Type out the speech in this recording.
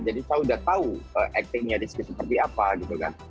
jadi saya sudah tahu actingnya rizky seperti apa gitu kan